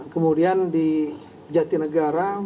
kemudian di jatinegara